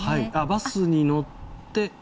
バスに乗って。